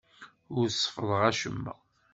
Ur seffḍeɣ acemma.